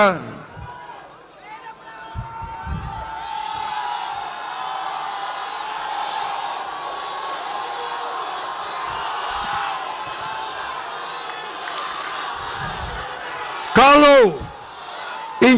kami tidak akan melihat warna baju politiknya